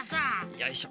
よいしょ。